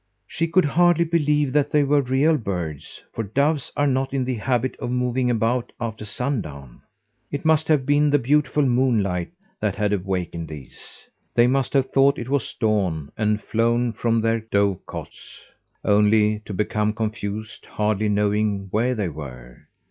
She could hardly believe that they were real birds, for doves are not in the habit of moving about after sundown. It must have been the beautiful moonlight that had awakened these. They must have thought it was dawn and flown from their dove cotes, only to become confused, hardly knowing where they were.